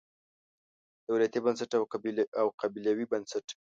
دولتي بنسټ او قبیلوي بنسټ.